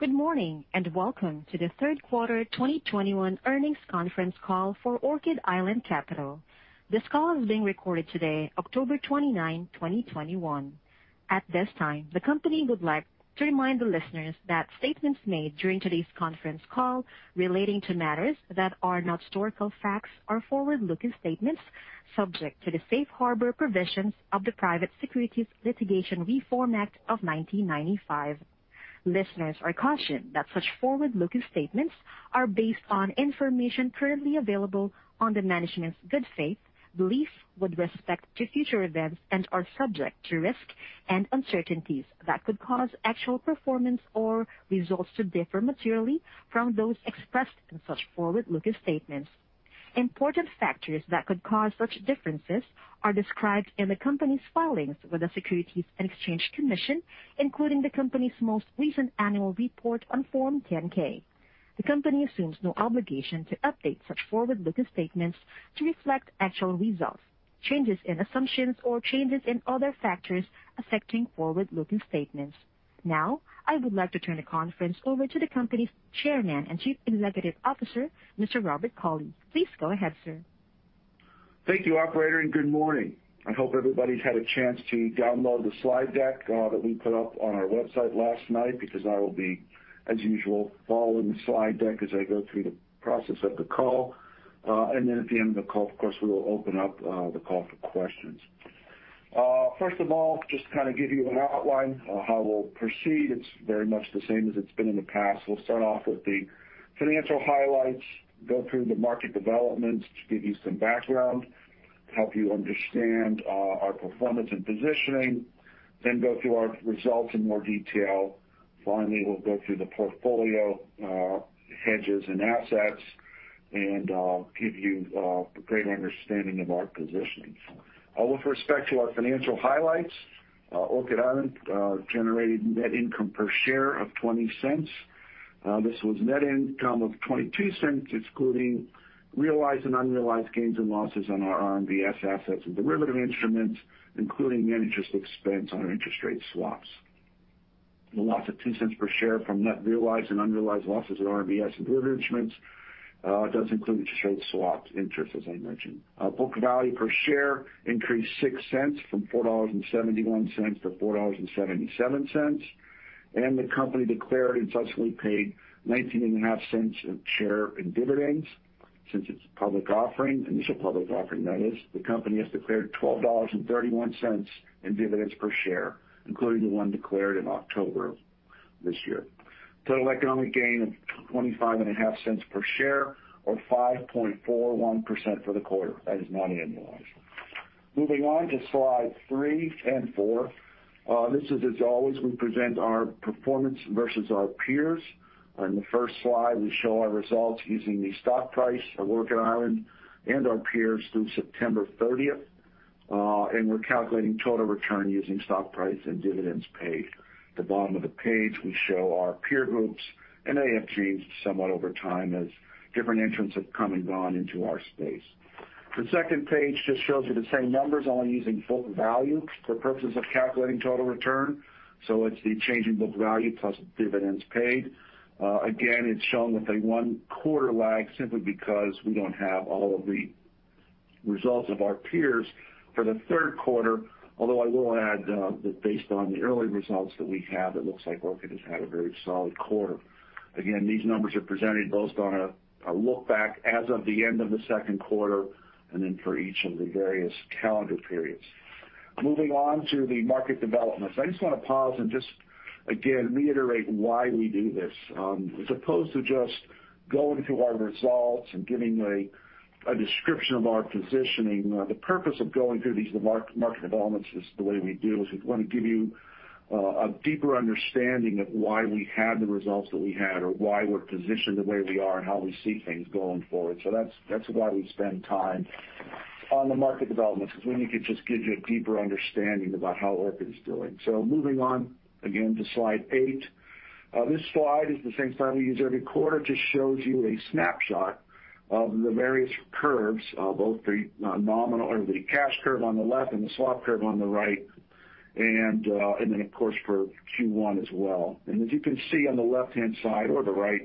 Good morning, and welcome to the Q3 2021 earnings conference call for Orchid Island Capital. This call is being recorded today, October 29, 2021. At this time, the company would like to remind the listeners that statements made during today's conference call relating to matters that are not historical facts are forward-looking statements subject to the safe harbor provisions of the Private Securities Litigation Reform Act of 1995. Listeners are cautioned that such forward-looking statements are based on information currently available to management's good faith belief with respect to future events and are subject to risk and uncertainties that could cause actual performance or results to differ materially from those expressed in such forward-looking statements. Important factors that could cause such differences are described in the company's filings with the Securities and Exchange Commission, including the company's most recent annual report on Form 10-K. The company assumes no obligation to update such forward-looking statements to reflect actual results, changes in assumptions or changes in other factors affecting forward-looking statements. Now, I would like to turn the conference over to the company's Chairman and Chief Executive Officer, Mr. Robert Cauley. Please go ahead, sir. Thank you, operator, and good morning. I hope everybody's had a chance to download the slide deck that we put up on our website last night, because I will be, as usual, following the slide deck as I go through the process of the call. At the end of the call, of course, we will open up the call for questions. First of all, just to give you an outline of how we'll proceed, it's very much the same as it's been in the past. We'll start off with the financial highlights, go through the market developments to give you some background, help you understand our performance and positioning, then go through our results in more detail. Finally, we'll go through the portfolio, hedges and assets and give you a great understanding of our positioning. With respect to our financial highlights, Orchid Island generated net income per share of $0.20. This was net income of $0.22, excluding realized and unrealized gains and losses on our RMBS assets and derivative instruments, including the interest expense on our interest rate swaps. The loss of $0.02 per share from net realized and unrealized losses in RMBS and derivative instruments does include interest rate swap interest, as I mentioned. Book value per share increased $0.06 from $4.71-4.77. The company declared and successfully paid $0.195 a share in dividends. Since its public offering, initial public offering that is, the company has declared $12.31 in dividends per share, including the one declared in October of this year. Total economic gain of $0.255 per share or 5.41% for the quarter. That is not annualized. Moving on to slide 3 and 4. This is as always, we present our performance versus our peers. On the first slide, we show our results using the stock price of Orchid Island and our peers through September 30. We're calculating total return using stock price and dividends paid. At the bottom of the page, we show our peer groups, and they have changed somewhat over time as different entrants have come and gone into our space. The second page just shows you the same numbers, only using book value for purposes of calculating total return. It's the change in book value plus dividends paid. Again, it's shown with a one quarter lag simply because we don't have all of the results of our peers for the Q3. Although I will add that based on the early results that we have, it looks like Orchid has had a very solid quarter. Again, these numbers are presented both on a look back as of the end of the Q2 and then for each of the various calendar periods. Moving on to the market developments. I just want to pause and just again reiterate why we do this. As opposed to just going through our results and giving a description of our positioning. The purpose of going through these market developments the way we do is we want to give you a deeper understanding of why we had the results that we had or why we're positioned the way we are and how we see things going forward. That's why we spend time on the market developments, because we need to just give you a deeper understanding about how Orchid is doing. Moving on again to slide 8. This slide is the same slide we use every quarter. Just shows you a snapshot of the various curves, both the nominal or the cash curve on the left and the swap curve on the right. Then of course for Q1 as well. As you can see on the left-hand side or the right,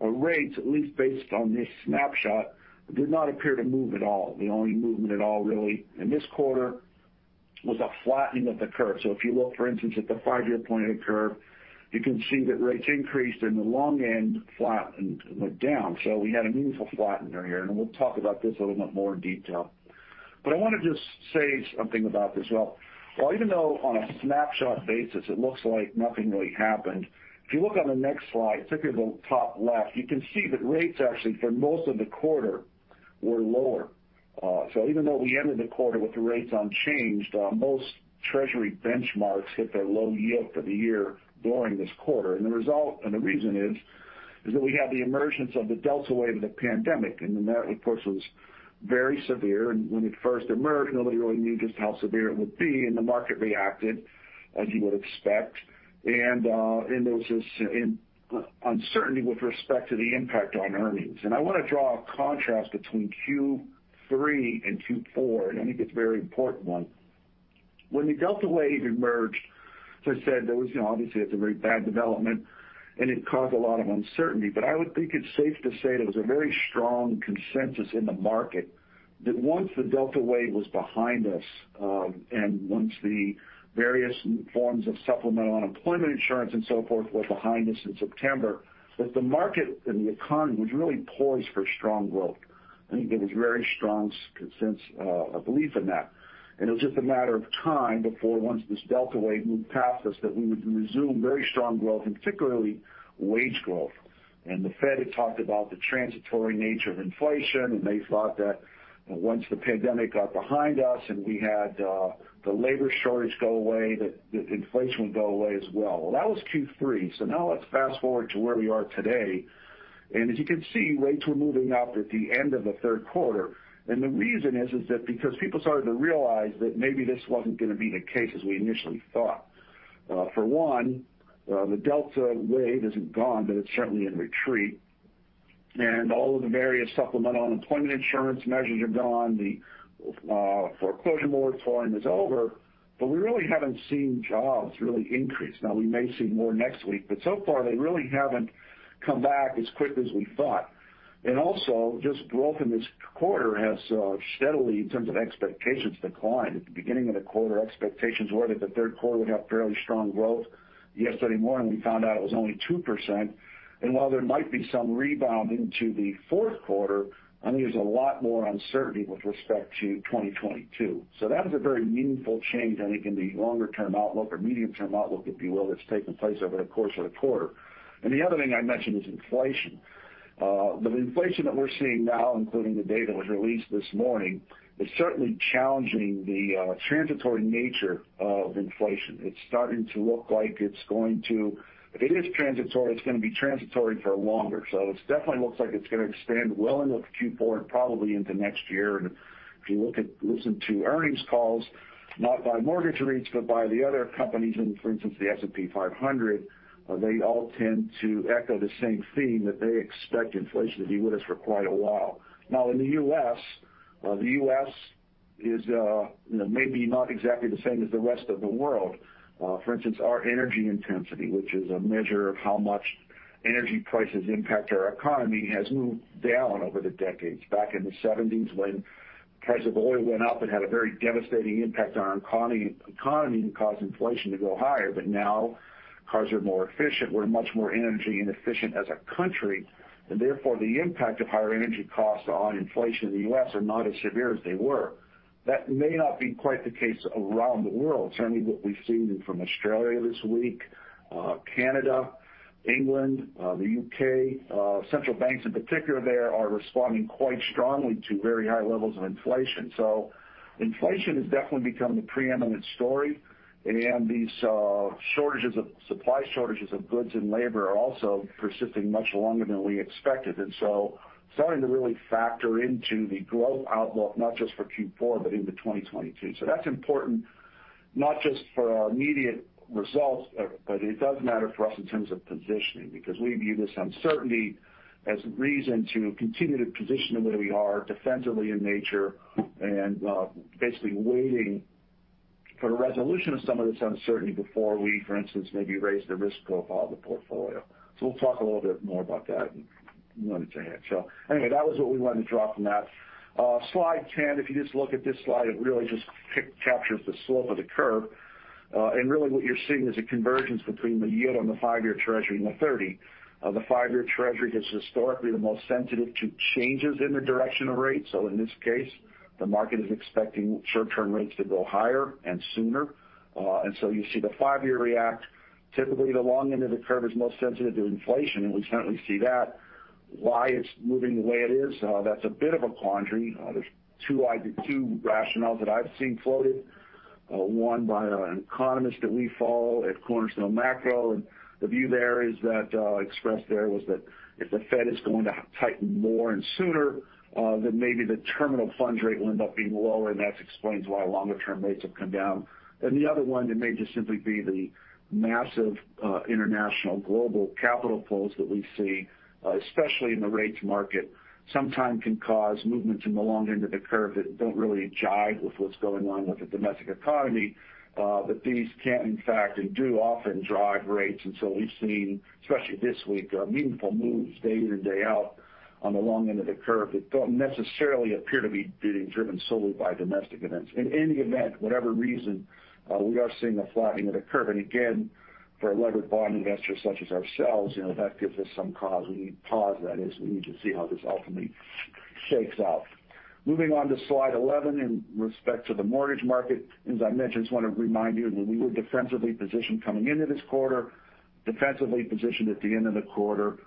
our rates, at least based on this snapshot, did not appear to move at all. The only movement at all really in this quarter was a flattening of the curve. If you look, for instance, at the five-year point in the curve, you can see that rates increased in the long end flat and went down. We had a meaningful flattening there, and we'll talk about this a little bit more in detail. I want to just say something about this. While even though on a snapshot basis it looks like nothing really happened. If you look on the next slide, particularly the top left, you can see that rates actually for most of the quarter were lower. Even though we ended the quarter with the rates unchanged, most Treasury benchmarks hit their low yield of the year during this quarter. The result, and the reason is that we had the emergence of the Delta wave of the pandemic. That, of course, was very severe. When it first emerged, nobody really knew just how severe it would be, and the market reacted as you would expect. There was this uncertainty with respect to the impact on earnings. I want to draw a contrast between Q3 and Q4, and I think it's a very important one. When the Delta wave emerged, as I said, there was, you know, obviously it's a very bad development, and it caused a lot of uncertainty. I would think it's safe to say there was a very strong consensus in the market that once the Delta wave was behind us, and once the various forms of supplemental unemployment insurance and so forth were behind us in September, that the market and the economy was really poised for strong growth. I think there was very strong sense, a belief in that. It was just a matter of time before once this Delta wave moved past us, that we would resume very strong growth, and particularly wage growth. The Fed had talked about the transitory nature of inflation, and they thought that once the pandemic got behind us and we had, the labor shortage go away, that inflation would go away as well. Well, that was Q3. Now let's fast-forward to where we are today. As you can see, rates were moving up at the end of the Q3. The reason is that because people started to realize that maybe this wasn't gonna be the case as we initially thought. For one, the Delta wave isn't gone, but it's certainly in retreat. All of the various supplemental unemployment insurance measures are gone. The foreclosure moratorium is over, but we really haven't seen jobs really increase. Now, we may see more next week, but so far they really haven't come back as quickly as we thought. Also, just growth in this quarter has steadily, in terms of expectations, declined. At the beginning of the quarter, expectations were that the Q3 would have fairly strong growth. Yesterday morning, we found out it was only 2%. While there might be some rebound into the Q4, I think there's a lot more uncertainty with respect to 2022. That was a very meaningful change, I think, in the longer term outlook or medium term outlook, if you will, that's taken place over the course of the quarter. The other thing I mentioned is inflation. The inflation that we're seeing now, including the data that was released this morning, is certainly challenging the transitory nature of inflation. It's starting to look like it's going to. If it is transitory, it's gonna be transitory for longer. It's definitely looks like it's gonna extend well into Q4 and probably into next year. If you look at, listen to earnings calls, not by mortgage REITs, but by the other companies in, for instance, the S&P 500, they all tend to echo the same theme that they expect inflation to be with us for quite a while. Now in the US, the US is, you know, maybe not exactly the same as the rest of the world. For instance, our energy intensity, which is a measure of how much energy prices impact our economy, has moved down over the decades. Back in the seventies when prices of oil went up, it had a very devastating impact on our economy and caused inflation to go higher. Now cars are more efficient. We're much more energy efficient as a country, and therefore the impact of higher energy costs on inflation in the US are not as severe as they were. That may not be quite the case around the world. Certainly what we've seen from Australia this week, Canada, England, the UK, central banks in particular there are responding quite strongly to very high levels of inflation. Inflation has definitely become the preeminent story. These, supply shortages of goods and labor are also persisting much longer than we expected, starting to really factor into the growth outlook, not just for Q4, but into 2022. That's important not just for our immediate results, but it does matter for us in terms of positioning, because we view this uncertainty as reason to continue to position the way we are defensively in nature and, basically waiting for the resolution of some of this uncertainty before we, for instance, maybe raise the risk profile of the portfolio. We'll talk a little bit more about that in a minute or two here. Anyway, that was what we wanted to draw from that. Slide 10. If you just look at this slide, it really just captures the slope of the curve. Really what you're seeing is a convergence between the yield on the 5-year Treasury and the 30. The 5-year Treasury is historically the most sensitive to changes in the direction of rates. In this case, the market is expecting short-term rates to go higher and sooner. You see the 5-year react. Typically, the long end of the curve is most sensitive to inflation, and we certainly see that. Why it's moving the way it is, that's a bit of a quandary. There's two rationales that I've seen floated. One by an economist that we follow at Cornerstone Macro. The view expressed there was that if the Fed is going to tighten more and sooner, then maybe the terminal funds rate will end up being lower, and that explains why longer term rates have come down. The other one, it may just simply be the massive international global capital flows that we see, especially in the rates market, sometimes can cause movements in the long end of the curve that don't really jive with what's going on with the domestic economy. But these can in fact and do often drive rates. We've seen, especially this week, meaningful moves day in and day out on the long end of the curve that don't necessarily appear to be being driven solely by domestic events. In any event, whatever reason, we are seeing a flattening of the curve. Again, for a levered bond investor such as ourselves, you know, that gives us some cause for pause. That is, we need to see how this ultimately shakes out. Moving on to slide 11 in respect to the mortgage market. As I mentioned, I just want to remind you that we were defensively positioned coming into this quarter, defensively positioned at the end of the quarter,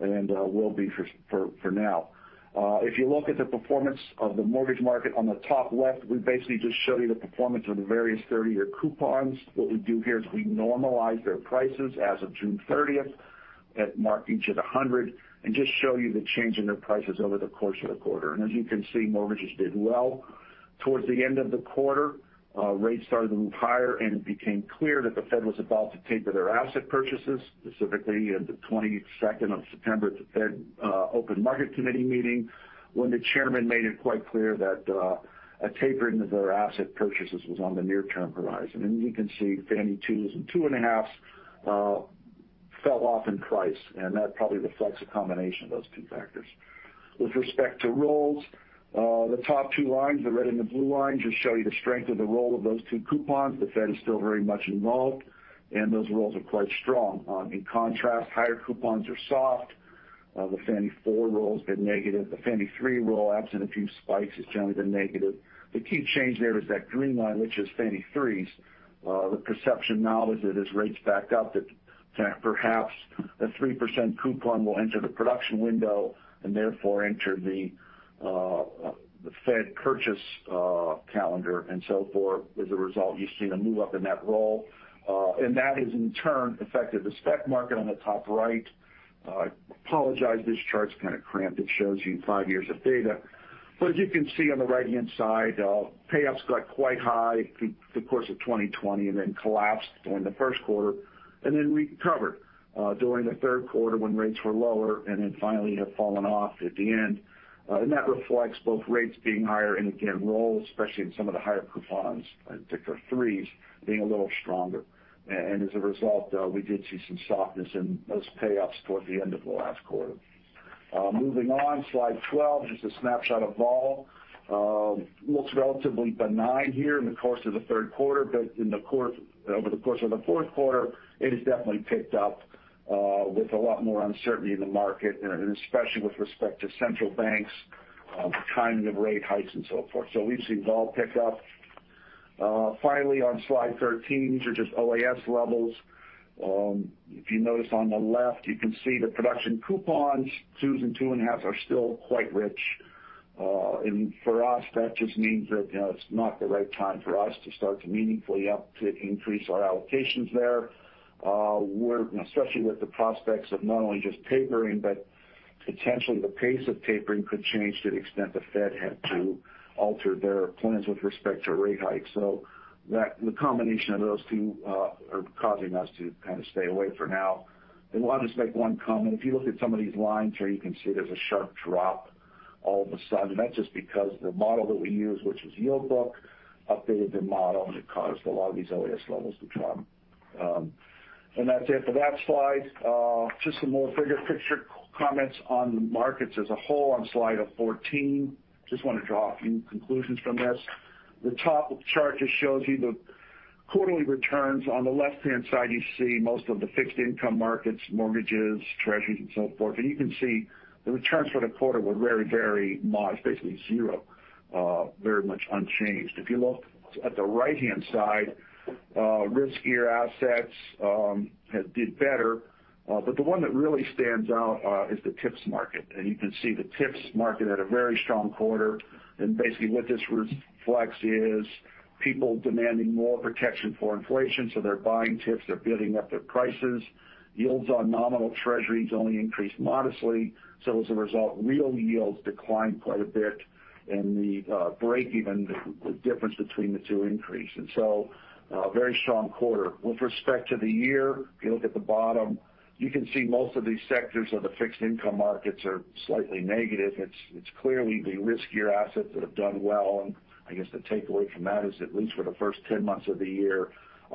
and will be for now. If you look at the performance of the mortgage market on the top left, we basically just show you the performance of the various 30-year coupons. What we do here is we normalize their prices as of June 30 marked to 100 and just show you the change in their prices over the course of the quarter. As you can see, mortgages did well. Towards the end of the quarter, rates started to move higher, and it became clear that the Fed was about to taper their asset purchases, specifically at the 22nd of September at the Fed Open Market Committee meeting, when the chairman made it quite clear that a tapering of their asset purchases was on the near-term horizon. You can see Fannie TBAs and 2.5s fell off in price, and that probably reflects a combination of those two factors. With respect to rolls, the top two lines, the red and the blue lines, just show you the strength of the roll of those two coupons. The Fed is still very much involved, and those rolls are quite strong. In contrast, higher coupons are soft. The Fannie 4 roll has been negative. The Fannie three roll, absent a few spikes, has generally been negative. The key change there is that green line, which is Fannie threes. The perception now is that as rates backed up, that perhaps a 3% coupon will enter the production window and therefore enter the Fed purchase calendar and so forth. As a result, you're seeing a move up in that roll. That has in turn affected the spec market on the top right. I apologize, this chart's cramped. It shows you five years of data. As you can see on the right-hand side, payouts got quite high through the course of 2020 and then collapsed during the Q1, and then recovered during the Q3 when rates were lower and then finally have fallen off at the end. That reflects both rates being higher and again, rolls, especially in some of the higher coupons, in particular 3s, being a little stronger. As a result, we did see some softness in those payoffs toward the end of the last quarter. Moving on, slide 12, just a snapshot of vol. Looks relatively benign here in the course of the Q3. Over the course of the Q4, it has definitely picked up, with a lot more uncertainty in the market, and especially with respect to central banks, timing of rate hikes and so forth. We've seen vol pick up. Finally, on slide 13, these are just OAS levels. If you notice on the left, you can see the production coupons, 2s and 2.5s are still quite rich. For us, that just means that, you know, it's not the right time for us to start to meaningfully increase our allocations there. We're, you know, especially with the prospects of not only just tapering, but potentially the pace of tapering could change to the extent the Fed had to alter their plans with respect to rate hikes. That the combination of those two are causing us to stay away for now. I'll just make one comment. If you look at some of these lines here, you can see there's a sharp drop all of a sudden, and that's just because the model that we use, which is Yield Book, updated their model, and it caused a lot of these OAS levels to drop. That's it for that slide. Just some more bigger picture comments on the markets as a whole on slide 14. Just want to draw a few conclusions from this. The top chart just shows you the quarterly returns. On the left-hand side, you see most of the fixed income markets, mortgages, treasuries, and so forth. You can see the returns for the quarter were very, very modest, basically zero, very much unchanged. If you look at the right-hand side, riskier assets did better. The one that really stands out is the TIPS market. You can see the TIPS market had a very strong quarter. Basically, what this reflects is people demanding more protection for inflation, so they're buying TIPS, they're bidding up their prices. Yields on nominal Treasuries only increased modestly, so as a result, real yields declined quite a bit, and the breakeven, the difference between the two increased. A very strong quarter. With respect to the year, if you look at the bottom, you can see most of these sectors of the fixed income markets are slightly negative. It's clearly the riskier assets that have done well. I guess the takeaway from that is at least for the first 10 months of the year,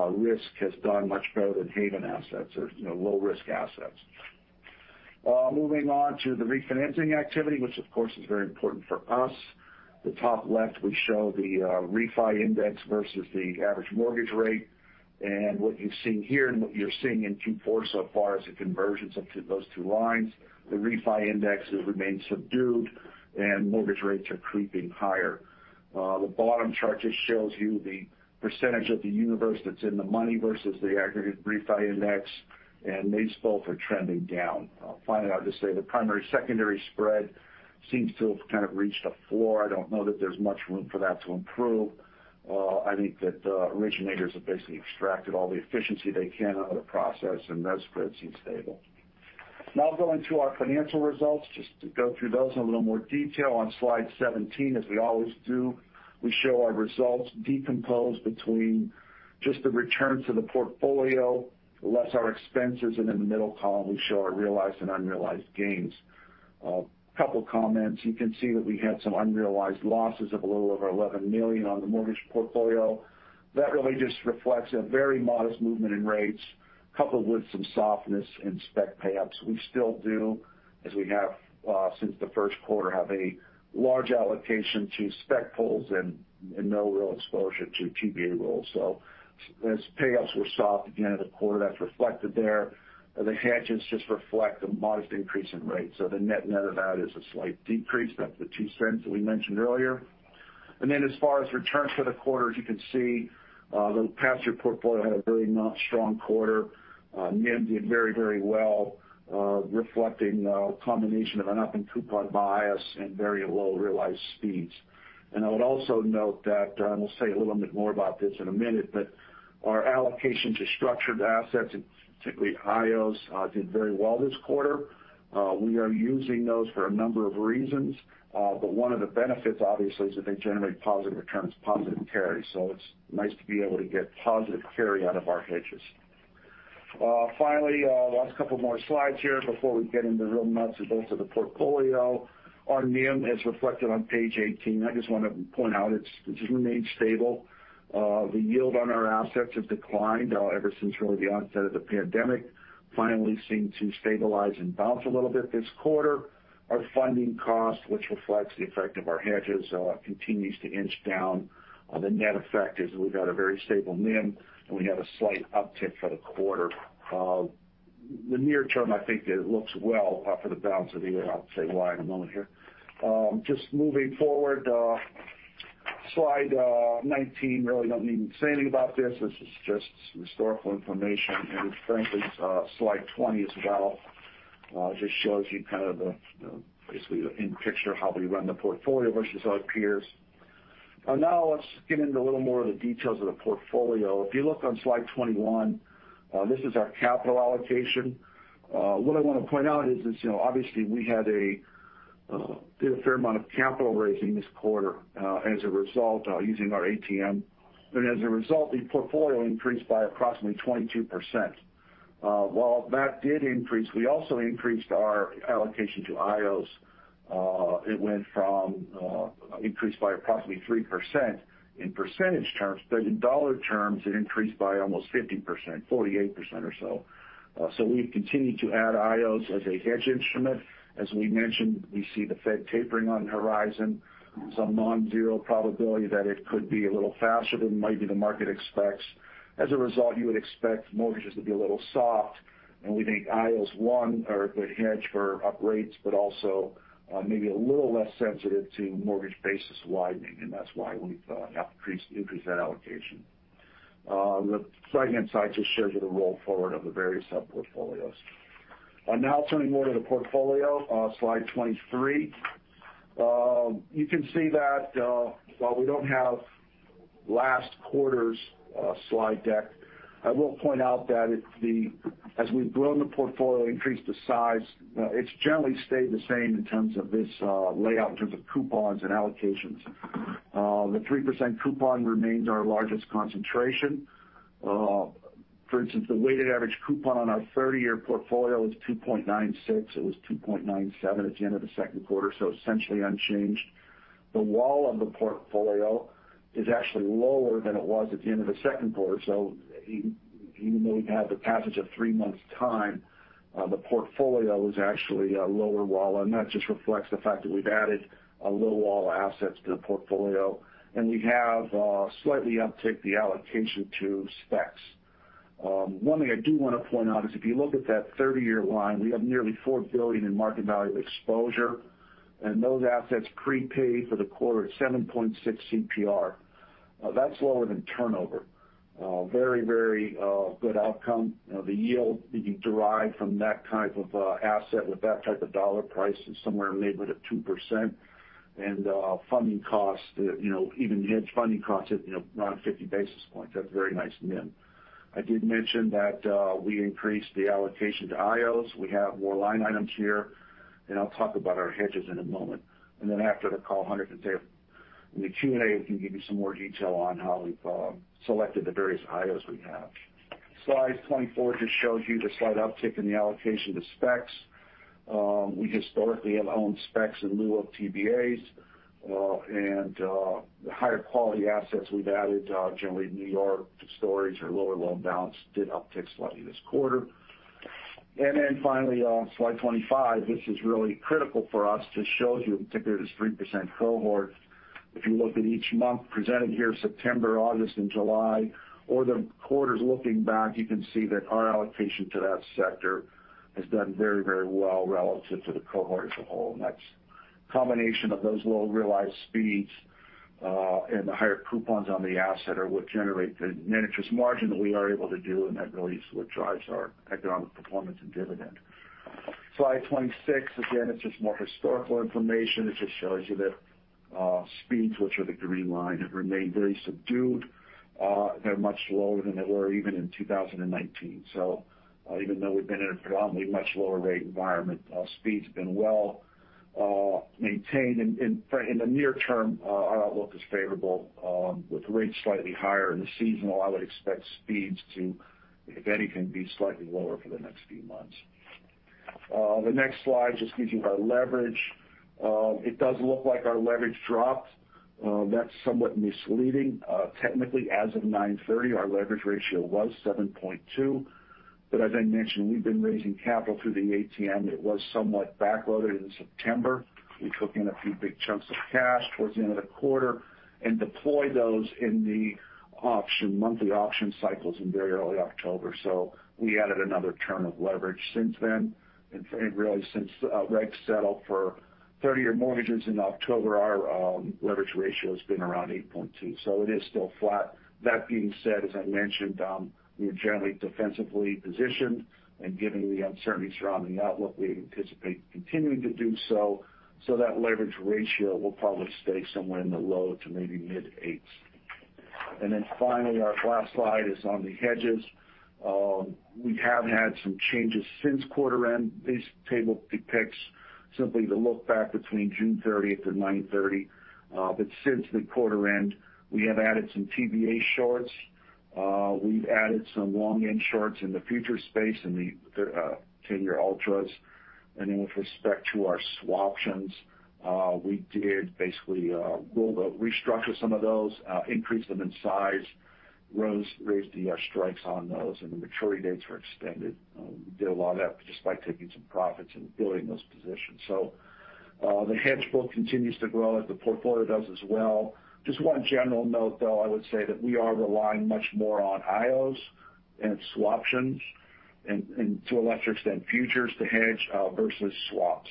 risk has done much better than haven assets or, you know, low-risk assets. Moving on to the refinancing activity, which of course is very important for us. The top left, we show the refi index versus the average mortgage rate. What you've seen here and what you're seeing in Q4 so far is the convergence of those two lines. The refi index has remained subdued, and mortgage rates are creeping higher. The bottom chart just shows you the percentage of the universe that's in the money versus the aggregate refi index, and they both are trending down. Finally, I'll just say the primary/secondary spread seems to have reached a floor. I don't know that there's much room for that to improve. I think that originators have basically extracted all the efficiency they can out of the process, and that spread seems stable. Now going to our financial results, just to go through those in a little more detail. On slide 17, as we always do, we show our results decomposed between just the returns of the portfolio, less our expenses, and in the middle column, we show our realized and unrealized gains. Couple comments. You can see that we had some unrealized losses of a little over $11 million on the mortgage portfolio. That really just reflects a very modest movement in rates, coupled with some softness in spec payouts. We still do, as we have since the Q1, have a large allocation to spec pools and no real exposure to TBA rolls. As payouts were soft again in the quarter, that's reflected there. The hedges just reflect a modest increase in rates. The net-net of that is a slight decrease. That's the two cents that we mentioned earlier. As far as returns for the quarter, as you can see, the pass-through portfolio had a not very strong quarter. NIM did very, very well, reflecting a combination of an up-in-coupon bias and very low realized speeds. I would also note that, and we'll say a little bit more about this in a minute, but our allocation to structured assets, and particularly IOs, did very well this quarter. We are using those for a number of reasons. But one of the benefits obviously is that they generate positive returns, positive carry. It's nice to be able to get positive carry out of our hedges. Finally, last couple more slides here before we get into the real nuts and bolts of the portfolio. Our NIM is reflected on page 18. I just want to point out it's remained stable. The yield on our assets has declined ever since really the onset of the pandemic and finally seemed to stabilize and bounce a little bit this quarter. Our funding cost, which reflects the effect of our hedges, continues to inch down. The net effect is we've got a very stable NIM, and we have a slight uptick for the quarter. The near term, I think it looks well for the balance of the year. I'll say why in a moment here. Just moving forward, slide 19, really don't need to say anything about this. This is just historical information. Frankly, slide 20 as well just shows you the big picture how we run the portfolio versus our peers. Now let's get into a little more of the details of the portfolio. If you look on slide 21, this is our capital allocation. What I wanna point out is, you know, obviously we did a fair amount of capital raising this quarter, as a result of using our ATM. As a result, the portfolio increased by approximately 22%. While that did increase, we also increased our allocation to IOs. It increased by approximately 3% in percentage terms, but in dollar terms it increased by almost 50%, 48% or so. So we've continued to add IOs as a hedge instrument. As we mentioned, we see the Fed tapering on the horizon. Some non-zero probability that it could be a little faster than maybe the market expects. As a result, you would expect mortgages to be a little soft, and we think IOs, one, are a good hedge for upgrades, but also, maybe a little less sensitive to mortgage basis widening, and that's why we have increased that allocation. The right-hand side just shows you the roll forward of the various sub-portfolios. Now turning more to the portfolio, slide 23. You can see that, while we don't have last quarter's slide deck, I will point out that as we've grown the portfolio, increased the size, it's generally stayed the same in terms of this layout in terms of coupons and allocations. The 3% coupon remains our largest concentration. For instance, the weighted average coupon on our 30-year portfolio is 2.96. It was 2.97 at the end of the Q2, so essentially unchanged. The WAL on the portfolio is actually lower than it was at the end of the Q2. Even though we've had the passage of three months' time, the portfolio is actually a lower WAL, and that just reflects the fact that we've added a low WAL assets to the portfolio, and we have slightly uptick the allocation to specs. One thing I do wanna point out is if you look at that 30-year line, we have nearly $4 billion in market value exposure, and those assets prepaid for the quarter at 7.6 CPR. That's lower than turnover. Very good outcome. You know, the yield that you derive from that type of asset with that type of dollar price is somewhere in the neighborhood of 2%. Funding costs, you know, even hedged funding costs at, you know, around 50 basis points. That's a very nice NIM. I did mention that we increased the allocation to IOs. We have more line items here, and I'll talk about our hedges in a moment. After the call, Hunter can say in the Q&A, we can give you some more detail on how we've selected the various IOs we have. Slide 24 just shows you the slight uptick in the allocation to specs. We historically have owned specs in lieu of TBAs. The higher quality assets we've added, generally New York two-story or lower loan balance did uptick slightly this quarter. Finally, slide 25. This is really critical for us to show you, in particular this 3% cohort. If you look at each month presented here, September, August, and July, or the quarters looking back, you can see that our allocation to that sector has done very, very well relative to the cohort as a whole. That's combination of those low realized speeds, and the higher coupons on the asset are what generate the net interest margin that we are able to do, and that really is what drives our economic performance and dividend. Slide 26. Again, it's just more historical information. It just shows you that, speeds, which are the green line, have remained very subdued. They're much lower than they were even in 2019. Even though we've been in a predominantly much lower rate environment, speeds have been maintained. In the near term, our outlook is favorable, with rates slightly higher than seasonal. I would expect speeds to, if anything, be slightly lower for the next few months. The next slide just gives you our leverage. It does look like our leverage dropped. That's somewhat misleading. Technically, as of 9:30, our leverage ratio was 7.2. As I mentioned, we've been raising capital through the ATM. It was somewhat backloaded in September. We took in a few big chunks of cash towards the end of the quarter and deployed those in the auction, monthly auction cycles in very early October. We added another term of leverage since then. Really since regs settled for 30-year mortgages in October, our leverage ratio has been around 8.2, so it is still flat. That being said, as I mentioned, we are generally defensively positioned, and given the uncertainty surrounding the outlook, we anticipate continuing to do so. That leverage ratio will probably stay somewhere in the low to maybe mid 8s. Then finally, our last slide is on the hedges. We have had some changes since quarter end. This table depicts simply the look back between June 30 and September 30. Since the quarter end, we have added some TBA shorts. We've added some long end shorts in the future space in the 10-year ultras. With respect to our swaptions, we did basically restructure some of those, increase them in size, raised the strikes on those, and the maturity dates were extended. We did a lot of that just by taking some profits and building those positions. The hedge book continues to grow as the portfolio does as well. Just one general note, though, I would say that we are relying much more on IOs and swaptions and to a lesser extent, futures to hedge versus swaps.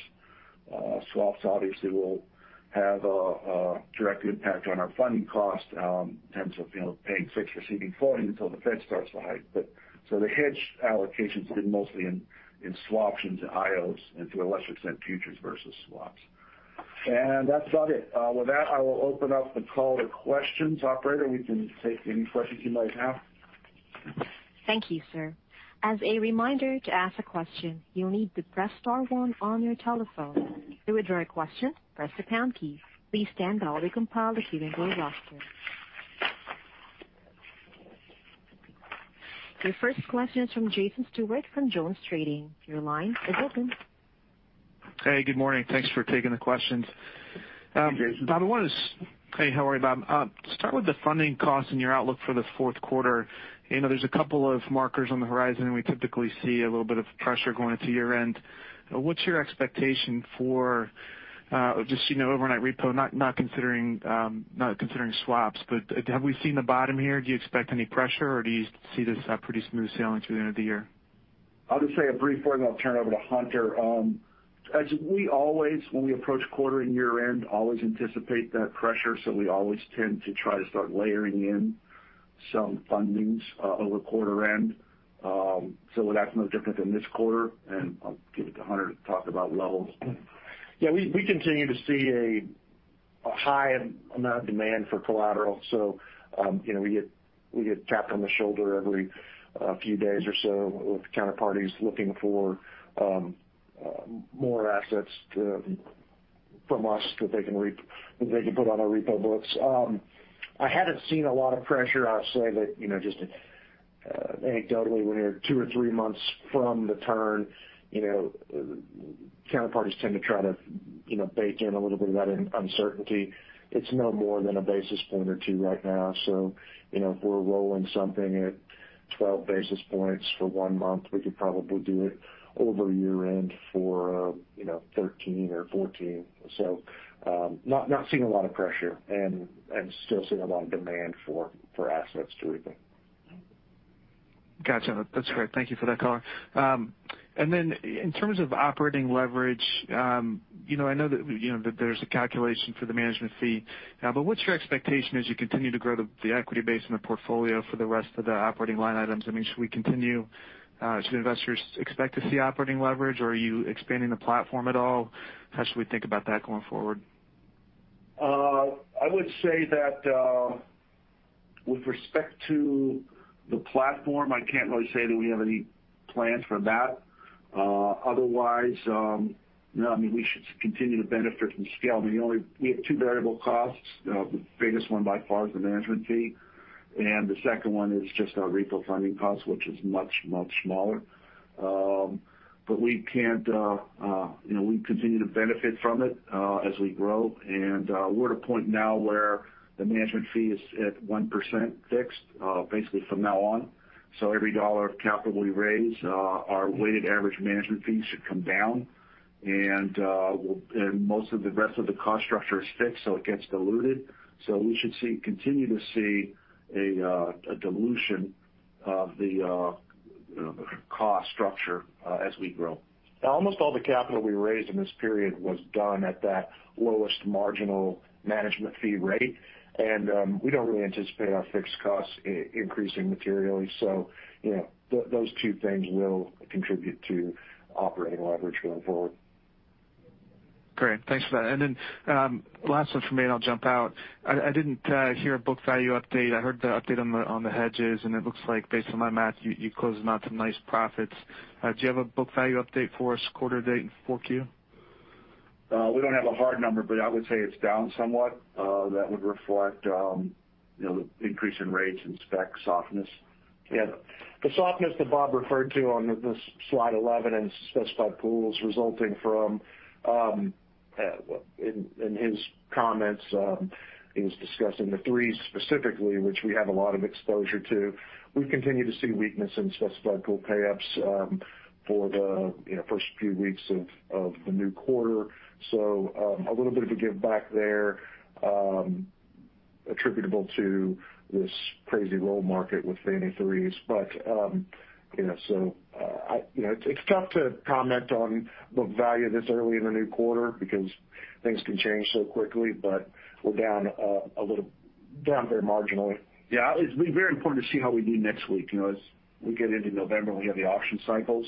Swaps obviously will have a direct impact on our funding costs in terms of, you know, paying fixed receiving floating until the Fed starts to hike. The hedge allocation's been mostly in swaptions and IOs and to a lesser extent, futures versus swaps. That's about it. With that, I will open up the call to questions. Operator, we can take any questions you might have. Thank you, sir. As a reminder to ask a question, you'll need to press star one on your telephone. To withdraw a question, press the pound key. Please stand by while we compile the speaker queue roster. Your first question is from Jason Stewart from Jones Trading. Your line is open. Hey, good morning. Thanks for taking the questions. Hey, Jason. Hey, how are you, Bob? Start with the funding costs and your outlook for the Q4. You know, there's a couple of markers on the horizon, and we typically see a little bit of pressure going into year-end. What's your expectation for just, you know, overnight repo, not considering swaps, but have we seen the bottom here? Do you expect any pressure? Or do you see this pretty smooth sailing through the end of the year? I'll just say a brief word, and I'll turn it over to Hunter. As we always do when we approach quarter and year-end, always anticipate that pressure, so we always tend to try to start layering in some fundings over quarter end. That's no different than this quarter. I'll give it to Hunter to talk about levels. Yeah, we continue to see a high amount of demand for collateral. You know, we get tapped on the shoulder every few days or so with counterparties looking for more assets from us that they can put on our repo books. I haven't seen a lot of pressure. I'll say that, you know, just anecdotally, when you're 2 or 3 months from the turn, you know, counterparties tend to try to bake in a little bit of that uncertainty. It's no more than a basis point or 2 right now. You know, if we're rolling something at 12 basis points for 1 month, we could probably do it over year-end for 13 or 14. Not seeing a lot of pressure and still seeing a lot of demand for assets to repo. Gotcha. That's great. Thank you for that color. In terms of operating leverage, you know, I know that, you know, that there's a calculation for the management fee. What's your expectation as you continue to grow the equity base in the portfolio for the rest of the operating line items? I mean, should investors expect to see operating leverage, or are you expanding the platform at all? How should we think about that going forward? I would say that, with respect to the platform, I can't really say that we have any plans for that. Otherwise, you know, I mean, we should continue to benefit from scale. I mean, we have two variable costs. The biggest one by far is the management fee, and the second one is just our repo funding cost, which is much, much smaller. But we can, you know, we continue to benefit from it, as we grow. We're at a point now where the management fee is at 1% fixed, basically from now on. Every dollar of capital we raise, our weighted average management fee should come down. Most of the rest of the cost structure is fixed, so it gets diluted. We should see continue to see a dilution of the you know the cost structure as we grow. Now almost all the capital we raised in this period was done at that lowest marginal management fee rate. We don't really anticipate our fixed costs increasing materially. You know, those two things will contribute to operating leverage going forward. Great. Thanks for that. Last one for me, and I'll jump out. I didn't hear a book value update. I heard the update on the hedges, and it looks like based on my math, you closed them out to nice profits. Do you have a book value update for us quarter to date in 4Q? We don't have a hard number, but I would say it's down somewhat. That would reflect, you know, the increase in rates and spec softness. Yeah. The softness that Bob referred to on the slide 11 in specified pools resulting from in his comments he was discussing the threes specifically, which we have a lot of exposure to. We've continued to see weakness in specified pool payoffs for the first few weeks of the new quarter. A little bit of a giveback there attributable to this crazy roll market with Fannie 3s. You know, it's tough to comment on book value this early in the new quarter because things can change so quickly, but we're down very marginally. Yeah, it'll be very important to see how we do next week. You know, as we get into November, we have the auction cycles.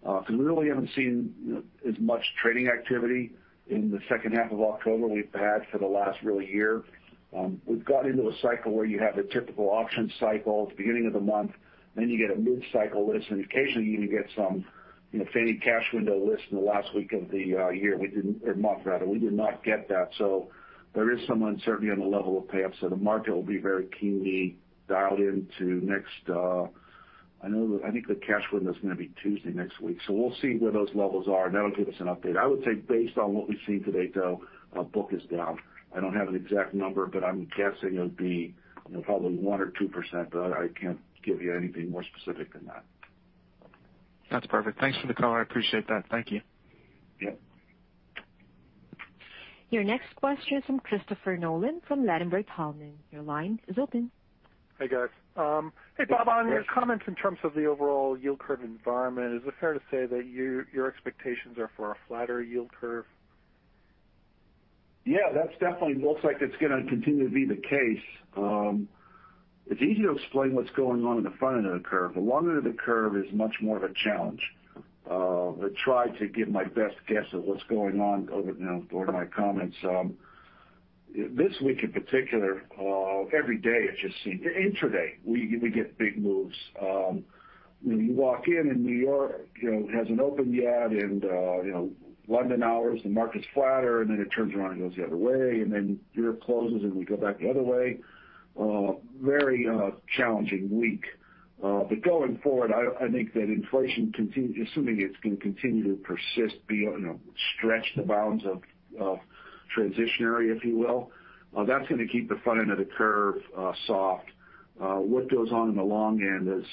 Because we really haven't seen as much trading activity in the second half of October we've had for the last really year. We've got into a cycle where you have a typical auction cycle at the beginning of the month. Then you get a mid-cycle list, and occasionally you even get some, you know, Fannie cash window list in the last week of the month, rather. We did not get that. So there is some uncertainty on the level of payoffs. So the market will be very keenly dialed into next. I think the cash window is going to be Tuesday next week, so we'll see where those levels are, and that'll give us an update. I would say based on what we've seen today, though, our book is down. I don't have an exact number, but I'm guessing it'll be, you know, probably 1%-2%, but I can't give you anything more specific than that. That's perfect. Thanks for the color. I appreciate that. Thank you. Yeah. Your next question is from Christopher Nolan from Ladenburg Thalmann. Your line is open. Hey, guys. Hey, Bob. Yes. On your comments in terms of the overall yield curve environment, is it fair to say that your expectations are for a flatter yield curve? Yeah, that definitely looks like it's gonna continue to be the case. It's easy to explain what's going on in the front end of the curve. The longer end of the curve is much more of a challenge. I tried to give my best guess at what's going on right now during my comments. This week in particular, every day it just seemed intra-day we get big moves. When you walk in and New York, you know, hasn't opened yet and, you know, London hours the market's flatter and then it turns around and goes the other way, and then Europe closes, and we go back the other way. Very challenging week. Going forward, I think that inflation continues assuming it's going to continue to persist, you know, stretch the bounds of transitory, if you will, that's gonna keep the front end of the curve soft. What goes on in the long end is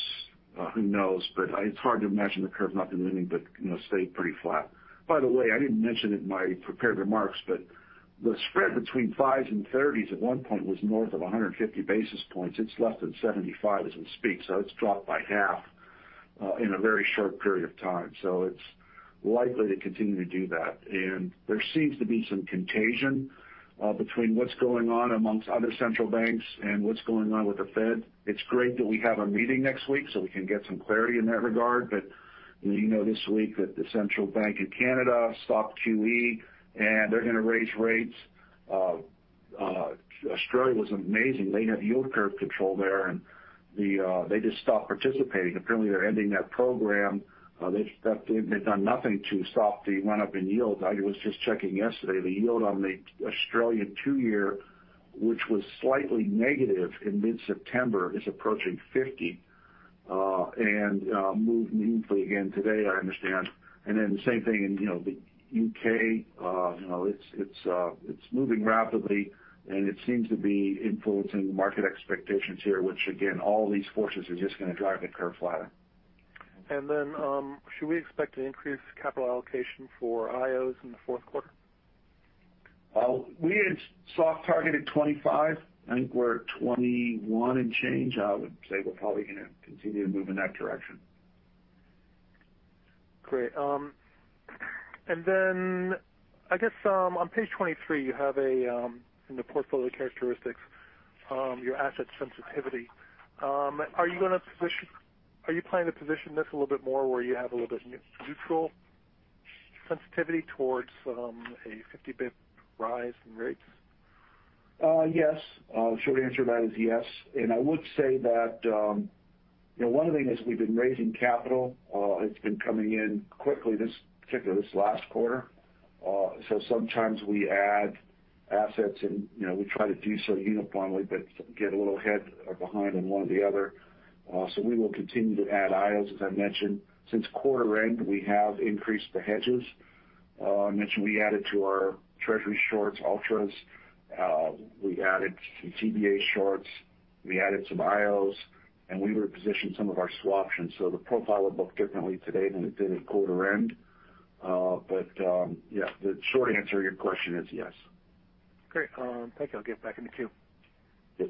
who knows, but it's hard to imagine the curve not doing anything but, you know, stay pretty flat. By the way, I didn't mention it in my prepared remarks, but the spread between fives and thirties at one point was north of 150 basis points. It's less than 75 as we speak, so it's likely to continue to do that. There seems to be some contagion between what's going on amongst other central banks and what's going on with the Fed. It's great that we have a meeting next week, so we can get some clarity in that regard. You know this week that the Bank of Canada stopped QE, and they're gonna raise rates. Australia was amazing. They have yield curve control there, they just stopped participating. Apparently, they're ending that program. They've done nothing to stop the run-up in yields. I was just checking yesterday, the yield on the Australian two-year, which was slightly negative in mid-September, is approaching 50 and moved meaningfully again today, I understand. Then the same thing in, you know, the UK You know, it's moving rapidly, and it seems to be influencing market expectations here, which again, all these forces are just gonna drive the curve flatter. Should we expect an increased capital allocation for IOs in the Q4? We had soft targeted 25. I think we're at 21 and change. I would say we're probably gonna continue to move in that direction. Great. Then I guess on page 23, you have a in the portfolio characteristics your asset sensitivity. Are you planning to position this a little bit more where you have a little bit neutral sensitivity towards a 50 basis point rise in rates? Yes. The short answer to that is yes. I would say that, you know, one of the things we've been raising capital, it's been coming in quickly this, particularly this last quarter. Sometimes we add assets and, you know, we try to do so uniformly but get a little ahead or behind on one or the other. We will continue to add IOs, as I mentioned. Since quarter end, we have increased the hedges. I mentioned we added to our Treasury shorts Ultras. We added some TBA shorts. We added some IOs, and we repositioned some of our swaptions. The profile will look differently today than it did at quarter end. Yeah, the short answer to your question is yes. Great. Thank you. I'll get back in the queue. Yes.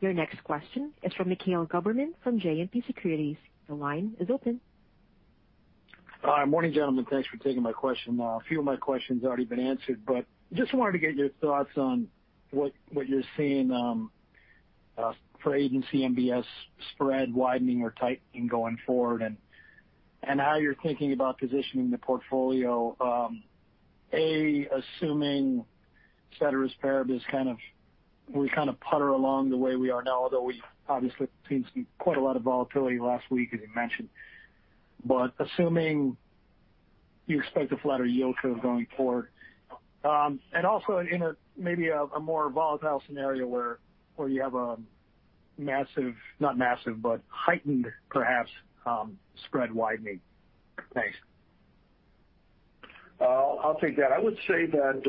Your next question is from Mikhail Goberman from JMP Securities. Your line is open. Hi. Morning, gentlemen. Thanks for taking my question. A few of my questions have already been answered, but I just wanted to get your thoughts on what you're seeing for agency MBS spread widening or tightening going forward, and how you're thinking about positioning the portfolio. Assuming ceteris paribus, we putter along the way we are now, although we've obviously seen quite a lot of volatility last week, as you mentioned. Assuming you expect a flatter yield curve going forward, and also in maybe a more volatile scenario where you have a massive, not massive, but heightened, perhaps, spread widening. Thanks. I'll take that. I would say that,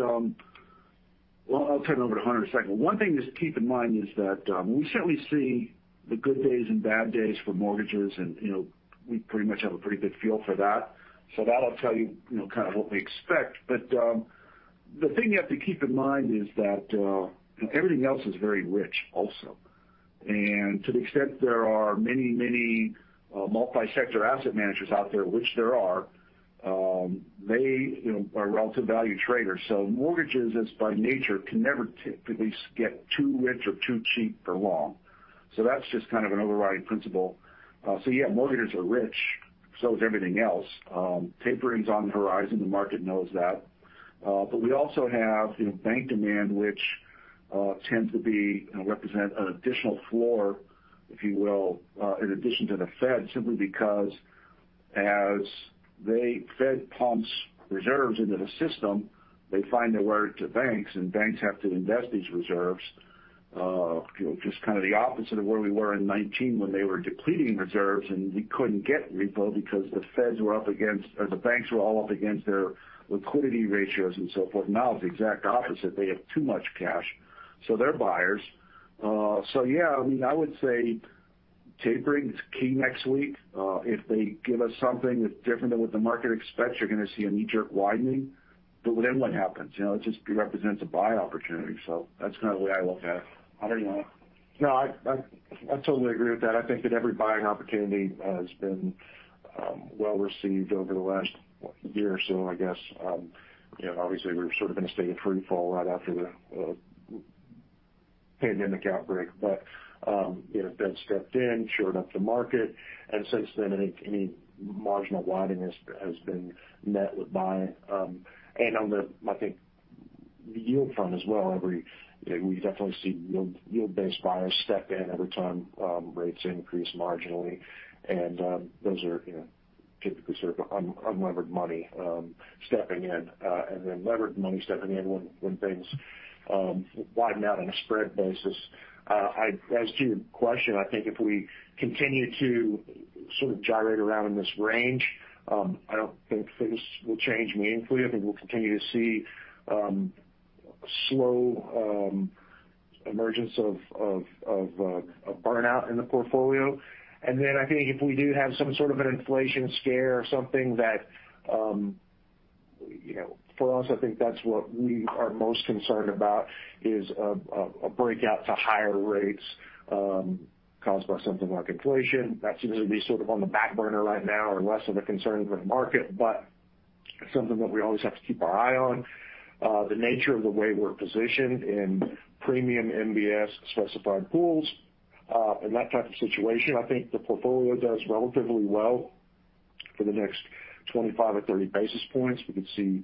well, I'll turn it over to Hunter in a second. One thing is to keep in mind is that, we certainly see the good days and bad days for mortgages and, you know, we pretty much have a pretty good feel for that. That'll tell you know, what we expect. The thing you have to keep in mind is that, everything else is very rich also. To the extent there are many, multi-sector asset managers out there, which there are, they, you know, are relative value traders. Mortgages, as by nature, can never typically get too rich or too cheap for long. That's just an overriding principle. Yeah, mortgages are rich, so is everything else. Tapering is on the horizon, the market knows that. But we also have, you know, bank demand, which tend to be and represent an additional floor, if you will, in addition to the Fed, simply because as the Fed pumps reserves into the system, they find their way to banks, and banks have to invest these reserves. You know, just the opposite of where we were in 2019 when they were depleting reserves, and we couldn't get repo because the banks were all up against their liquidity ratios and so forth. Now it's the exact opposite. They have too much cash, so they're buyers. I mean, I would say tapering is key next week. If they give us something that's different than what the market expects, you're going to see a knee-jerk widening. What happens? You know, it just represents a buy opportunity. That's the way I look at it. I don't know. No, I totally agree with that. I think that every buying opportunity has been well received over the last year or so, I guess. You know, obviously, we were in a state of free fall right after the pandemic outbreak. You know, Fed stepped in, shored up the market. Since then, any marginal widening has been met with buying. On the, I think, the yield front as well, every you know, we definitely see yield-based buyers step in every time rates increase marginally. Those are, you know, typically unlevered money stepping in, and then levered money stepping in when things widen out on a spread basis. As to your question, I think if we continue to gyrate around in this range, I don't think things will change meaningfully. I think we'll continue to see slow emergence of burnout in the portfolio. I think if we do have some an inflation scare or something that, you know, for us, I think that's what we are most concerned about is a breakout to higher rates, caused by something like inflation. That seems to be on the back burner right now or less of a concern for the market, but something that we always have to keep our eye on. The nature of the way we're positioned in premium MBS specified pools in that type of situation, I think the portfolio does relatively well for the next 25 or 30 basis points. We could see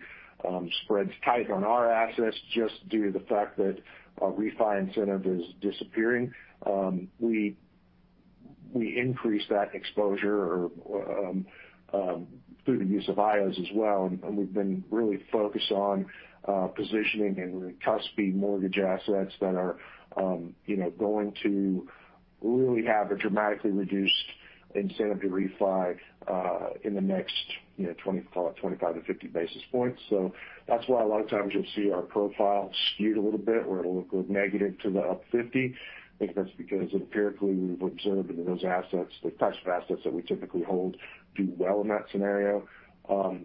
spreads tighten on our assets just due to the fact that a refi incentive is disappearing. We increase that exposure or through the use of IOs as well. We've been really focused on positioning in the cuspy mortgage assets that are, you know, going to really have a dramatically reduced incentive to refi in the next, you know, 20, call it 25-50 basis points. That's why a lot of times you'll see our profile skewed a little bit where it'll look negative to the up 50. I think that's because empirically we've observed that those assets, the types of assets that we typically hold, do well in that scenario.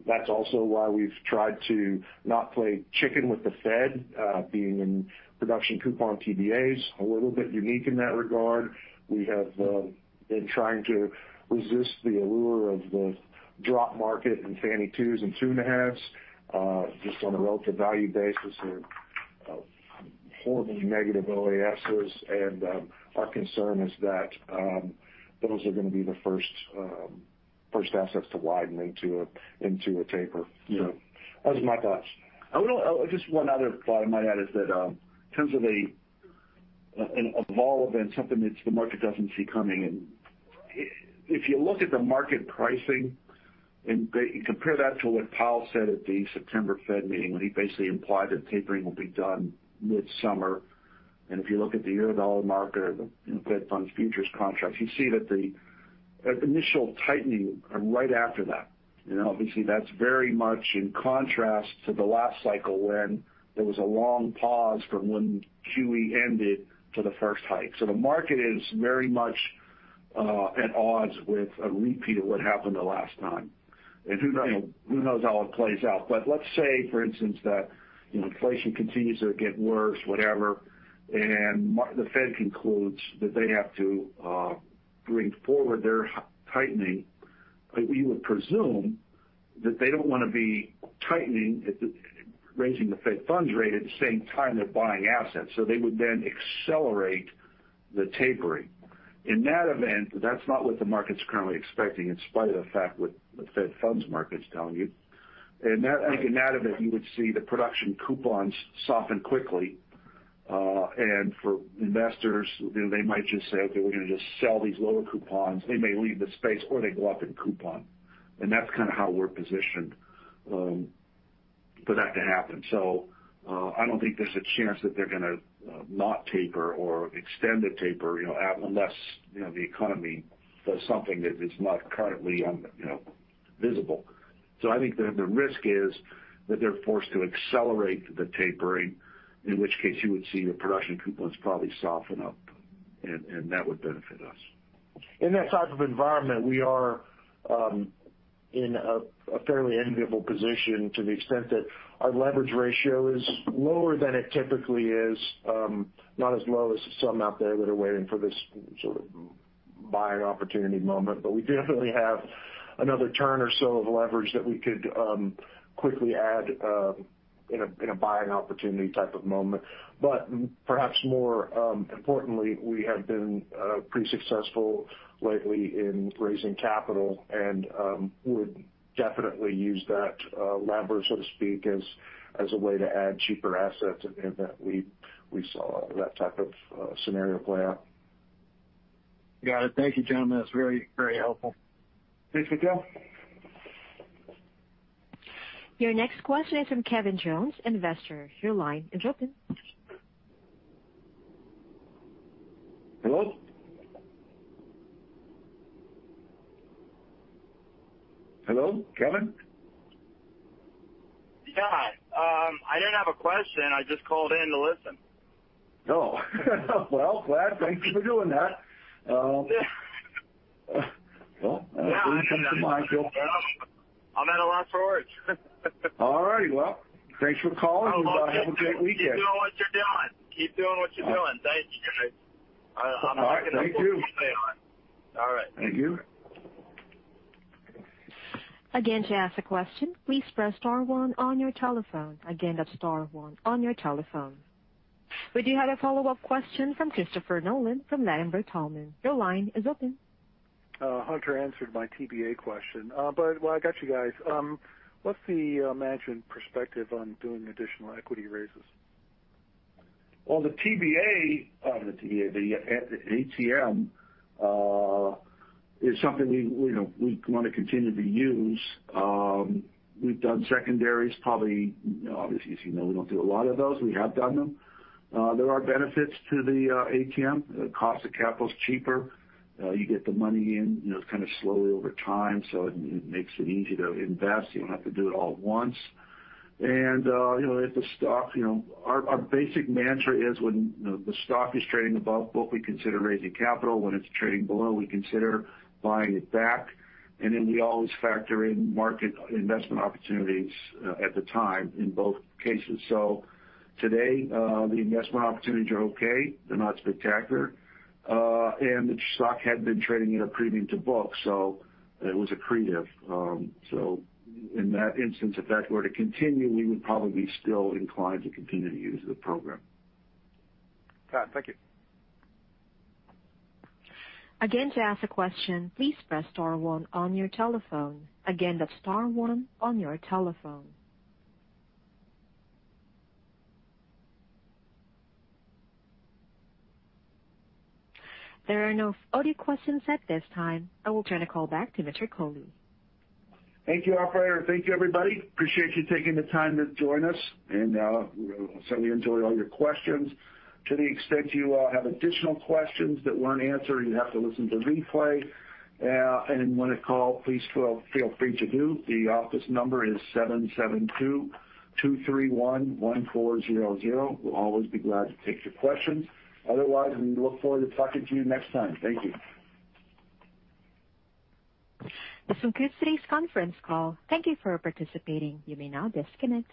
That's also why we've tried to not play chicken with the Fed, being in production coupon TBAs, a little bit unique in that regard. We have been trying to resist the allure of the drop market in Fannie 2s and 2.5s, just on a relative value basis of horribly negative OASs. Our concern is that those are going to be the first assets to widen into a taper. Yeah. That was my thoughts. I would just one other thought I might add is that, in terms of a vol event, something that the market doesn't see coming. If you look at the market pricing and compare that to what Powell said at the September Fed meeting, when he basically implied that tapering will be done midsummer. If you look at the Eurodollar market or the, you know, Fed Funds futures contracts, you see that that initial tightening right after that. You know, obviously, that's very much in contrast to the last cycle when there was a long pause from when QE ended to the first hike. The market is very much at odds with a repeat of what happened the last time. you know, who knows how it plays out. Let's say, for instance, that, you know, inflation continues to get worse, whatever, and the Fed concludes that they have to bring forward their tightening. We would presume that they don't want to be tightening, raising the Fed funds rate at the same time they're buying assets. They would then accelerate the tapering. In that event, that's not what the market's currently expecting, in spite of the fact what the Fed funds market's telling you. I think in that event, you would see the production coupons soften quickly. For investors, you know, they might just say, "Okay, we're gonna just sell these lower coupons." They may leave the space or they go up in coupon. That's how we're positioned for that to happen. I don't think there's a chance that they're gonna not taper or extend the taper, you know, unless, you know, the economy does something that is not currently on, you know, visible. I think the risk is that they're forced to accelerate the tapering, in which case you would see the production coupons probably soften up. That would benefit us. In that type of environment, we are in a fairly enviable position to the extent that our leverage ratio is lower than it typically is. Not as low as some out there that are waiting for this buying opportunity moment. We definitely have another turn or so of leverage that we could quickly add in a buying opportunity type of moment. Perhaps more importantly, we have been pretty successful lately in raising capital and would definitely use that leverage, so to speak, as a way to add cheaper assets in the event we saw that type of scenario play out. Got it. Thank you, Hunter. That's very, very helpful. Thanks for Mikhail Your next question is from Kevin Jones, investor. Your line is open. Hello? Hello, Kevin? Yeah. I didn't have a question. I just called in to listen. Oh. Well, glad. Thank you for doing that. Well, anything comes to mind, feel free. I'm at a loss for words. All right. Well, thanks for calling and have a great weekend. Keep doing what you're doing. Thank you, guys. All right. Thank you. All right. Thank you. Again, to ask a question, please press star one on your telephone. Again, that's star one on your telephone. We do have a follow-up question from Christopher Nolan from Ladenburg Thalmann. Your line is open. Hunter answered my TBA question. While I got you guys, what's the management perspective on doing additional equity raises? Well, the TBA, the ATM, is something we, you know, we wanna continue to use. We've done secondaries probably, you know, obviously, as you know, we don't do a lot of those. We have done them. There are benefits to the ATM. The cost of capital is cheaper. You get the money in, you know, slowly over time, so it makes it easy to invest. You don't have to do it all at once. You know, if the stock, you know, our basic mantra is when, you know, the stock is trading above what we consider raising capital. When it's trading below, we consider buying it back. We always factor in market investment opportunities at the time in both cases. Today, the investment opportunities are okay. They're not spectacular. The stock had been trading at a premium to books, so it was accretive. In that instance, if that were to continue, we would probably be still inclined to continue to use the program. All right. Thank you. To ask a question, please press star one on your telephone. That's star one on your telephone. There are no other questions at this time. I will turn the call back to Mr. Cauley. Thank you, operator. Thank you, everybody. I appreciate you taking the time to join us, and we certainly enjoy all your questions. To the extent you all have additional questions that weren't answered, you'd have to listen to the replay. If you want to call, please feel free to do. The office number is 772-231-1400. We'll always be glad to take your questions. Otherwise, we look forward to talking to you next time. Thank you. This concludes today's conference call. Thank you for participating. You may now disconnect.